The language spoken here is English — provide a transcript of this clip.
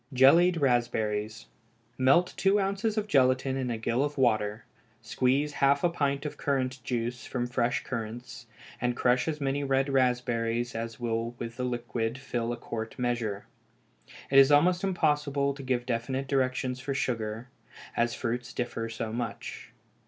Jellied Raspberries. Melt two ounces of gelatine in a gill of water, squeeze half a pint of currant juice from fresh currants, and crush as many red raspberries as will with the liquid fill a quart measure. It is almost impossible to give definite directions for sugar, as fruits differ so much.